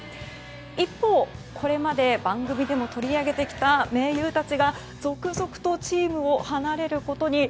一方、これまで番組でも取り上げてきた盟友たちが続々とチームを離れることに。